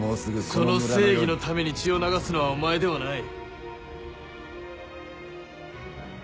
その正義のために血を流すのはお前ではない。